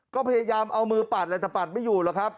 ก็พยายามเอามือปัดแหละแต่ปัดไม่อยู่หรอกครับ